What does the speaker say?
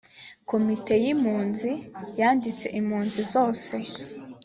komite y’impunzi yanditse impunzi zose